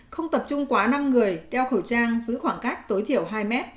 không tập trung quá năm người đeo khẩu trang giữ khoảng cách tối thiểu hai m